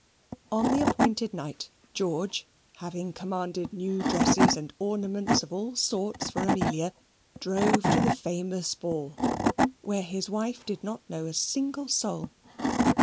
On the appointed night, George, having commanded new dresses and ornaments of all sorts for Amelia, drove to the famous ball, where his wife did not know a single soul.